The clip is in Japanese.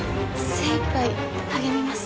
精いっぱい励みます。